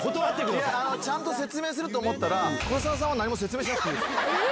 いやぁ、ちゃんと説明すると思ったら、黒沢さんは何も説明しなくていいです。